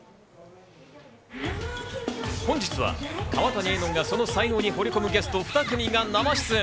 本日は川谷絵音がその才能に惚れ込むゲスト２組が生出演。